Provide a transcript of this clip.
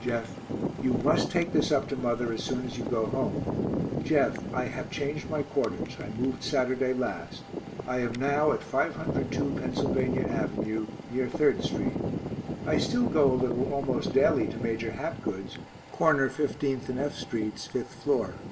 Jeff, you must take this up to mother as soon as you go home. Jeff, I have changed my quarters. I moved Saturday last. I am now at 502 Pennsylvania av., near 3rd st. I still go a little almost daily to Major Hapgood's, cor. 15th and F sts., 5th floor.